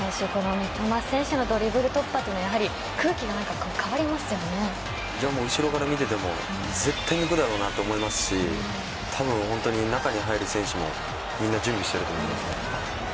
三笘選手のドリブル突破は後ろから見てても絶対に行くだろうなと思いますし多分、中に入る選手もみんな準備してると思います。